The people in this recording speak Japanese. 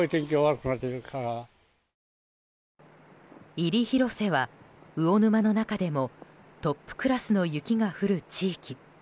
入広瀬は魚沼の中でもトップクラスの雪が降る地域。